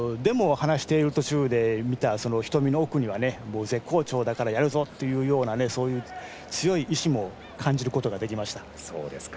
話している途中で見た瞳の奥には絶好調だからやるぞというような強い意志も感じることができました。